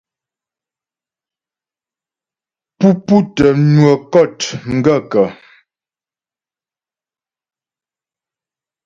Pú pútə́ nwə kɔ̂t m gaə̂kə́ ?